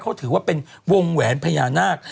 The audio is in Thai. เขาถือว่าเป็นวงแหวนพญานาค